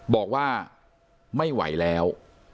บอกว่าไม่ไหวแล้ว